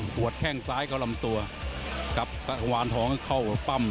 ขวดแข้งซ้ายก็ลำตัวจังหวานทองเข้าปั้ม